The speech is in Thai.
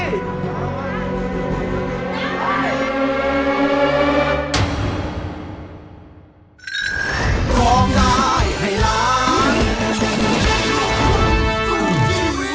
ราวัยร้อง